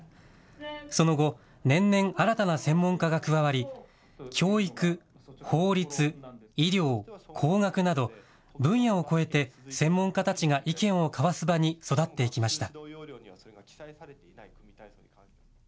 その後、年々新たな専門家が加わり教育、法律、医療、工学など分野を超えて専門家たちが意見を交わす場に育っていきました。